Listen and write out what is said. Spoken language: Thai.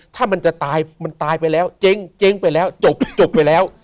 ถ้ามันจะตายมันตายไปแล้วเจ๊งไปแล้วจบไปแล้ว